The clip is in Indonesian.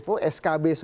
itu lebih undur "